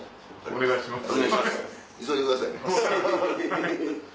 お願いします。